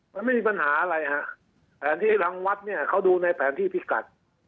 มันไม่มีปัญหาอะไรครับแผนที่รังวัดเขาดูในแผนที่พิกัด